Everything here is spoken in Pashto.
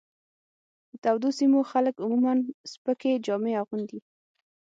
د تودو سیمو خلک عموماً سپکې جامې اغوندي.